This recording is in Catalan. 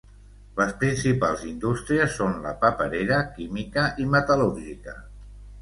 Les principals indústries són la paperera, química i metal·lúrgica.